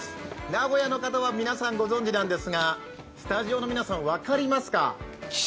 名古屋の方は皆さんご存じなんですがスタジオの皆さん分かりますか？